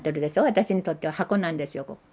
私にとっては箱なんですよ。